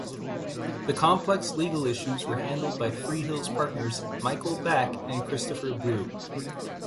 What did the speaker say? The complex legal issues were handled by Freehills partners Michael Back and Christopher Blue.